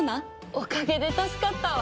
おかげで助かったわ。